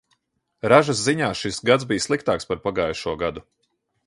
Ražas ziņā šis gads bij sliktāks par pagājušo gadu.